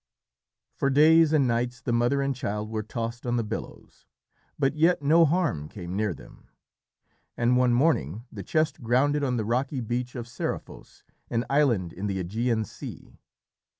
For days and nights the mother and child were tossed on the billows, but yet no harm came near them, and one morning the chest grounded on the rocky beach of Seriphos, an island in the Ægean Sea.